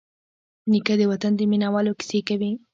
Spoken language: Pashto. نیکه د وطن د مینوالو کیسې کوي.